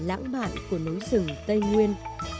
và bản bản của núi rừng tây nguyên